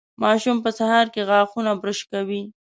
ماشوم په سهار کې غاښونه برش کوي.